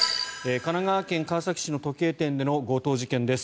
神奈川県川崎市の時計店での強盗事件です。